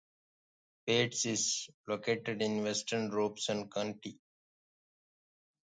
Pates is located in western Robeson County.